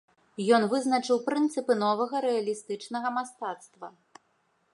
Ён вызначыў прынцыпы новага рэалістычнага мастацтва.